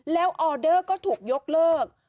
แล้วออเดอร์ก็ถูกยกเลิก